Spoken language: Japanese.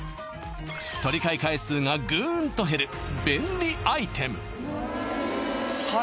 取り換え回数がグーンと減る便利アイテム！